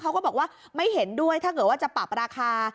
เขาก็บอกว่าไม่เห็นด้วยถ้าเกิดว่าจะปรับราคา